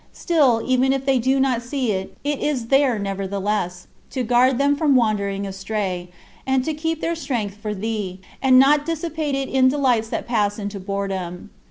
Still, even if they do not see it, it is there nevertheless, to guard them from wandering astray, and to keep their strength for thee, and not dissipate it in delights that pass into boredom.